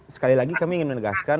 sekali lagi kami ingin menegaskan